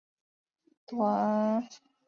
短序棘豆为豆科棘豆属下的一个种。